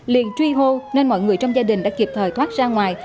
liền truy hô nên mọi người trong gia đình đã kịp thời thoát ra ngoài